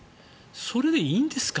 それでいいんですか？